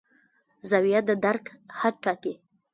زاویه د درک حد ټاکي.